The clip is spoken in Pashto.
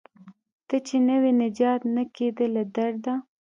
ته چې نه وې نجات نه کیده له درده